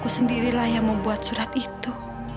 sembirilah yang membuat surat itu